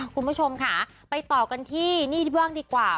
คุณผู้ชมค่ะไปต่อกันที่นี่บ้างดีกว่า